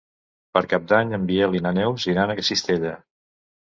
Per Cap d'Any en Biel i na Neus iran a Cistella.